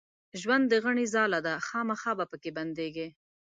ژوند د غڼي ځاله ده خامخا به پکښې بندېږې